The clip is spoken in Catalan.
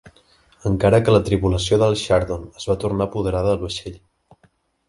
Encara que la tripulació del Chardon es va tornar a apoderar del vaixell.